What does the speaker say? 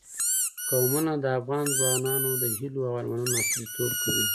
قومونه د افغان ځوانانو د هیلو او ارمانونو استازیتوب کوي.